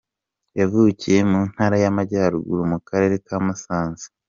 Yavukiye mu Ntara y’Amajyaruguru mu Karere ka Musanze.